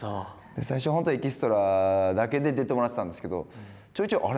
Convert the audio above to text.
最初本当にエキストラだけで出てもらってたんですけどちょいちょいあれ？